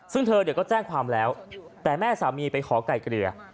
ซึ่งเธอก็แจ้งความแล้วแต่แม่สามีไปขอไก่เกลี่ย